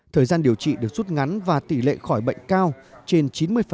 thời gian điều trị được rút ngắn và tỷ lệ khỏi bệnh cao trên chín mươi